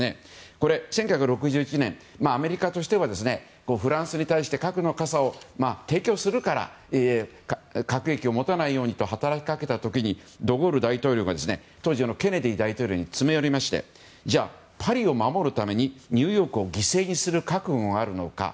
これは１９６１年にアメリカとしてはフランスに対して核の傘を提供するから核兵器を持たないようにと働きかけた時にド・ゴール大統領が当時のケネディ大統領に詰め寄りましてじゃあ、パリを守るためにニューヨークを犠牲にする覚悟があるのか。